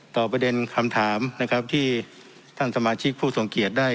ต่อประเด็นคำถามที่ท่านสมาชิกผู้สงเกียจได้